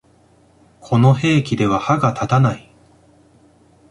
この兵器では歯が立たない